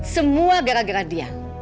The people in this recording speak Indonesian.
semua gara gara dia